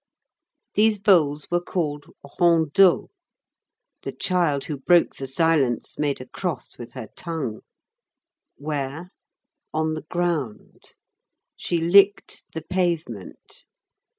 These bowls were called ronds d'eau. The child who broke the silence "made a cross with her tongue." Where? On the ground. She licked the pavement.